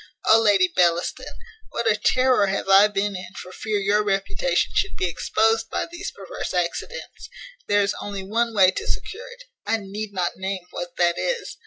O, Lady Bellaston! what a terror have I been in for fear your reputation should be exposed by these perverse accidents! There is one only way to secure it. I need not name what that is.